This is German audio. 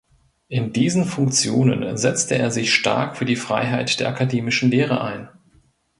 In diesen Funktionen setzte er sich stark für die Freiheit der akademischen Lehre ein.